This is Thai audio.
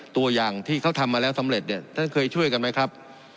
ตัวอย่างที่เขาทำมาแล้วสำเร็จเนี่ยท่านเคยช่วยกันไหมครับ